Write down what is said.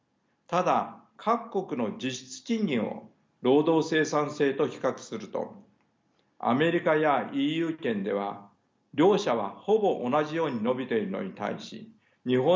ただ各国の実質賃金を労働生産性と比較するとアメリカやＥＵ圏では両者はほぼ同じように伸びているのに対し日本では賃金の方が